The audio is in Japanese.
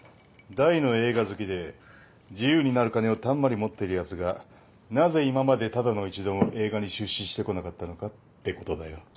大の映画好きで自由になる金をたんまり持ってるやつがなぜ今までただの一度も映画に出資してこなかったのかってことだよ。